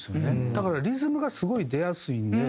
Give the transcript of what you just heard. だからリズムがすごい出やすいんで。